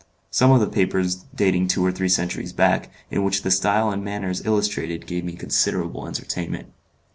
Some of the papers dating two or three centuries back, in which the style and the manners illustrated gave me considerable entertainment.